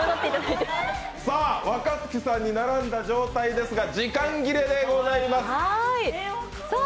若槻さんに並んだ状態ですが時間切れでございます。